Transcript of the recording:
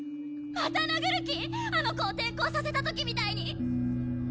また殴る気⁉あの子を転校させた時みたいに！